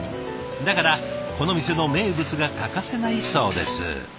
だからこの店の名物が欠かせないそうです。